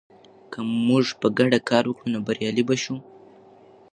که موږ په ګډه کار وکړو، نو بریالي به شو.